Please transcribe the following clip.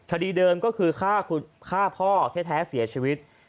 คดีเดิมก็คือฆ่าพ่อแท้เสียชีวิต